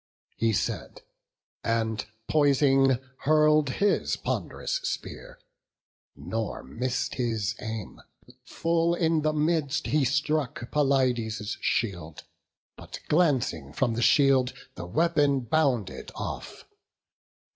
He said, and poising, hurl'd his pond'rous spear; Nor miss'd his aim; full in the midst he struck Pelides' shield; but glancing from the shield The weapon bounded off.